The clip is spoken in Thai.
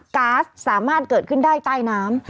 ๊าซสามารถเกิดขึ้นได้ใต้น้ำ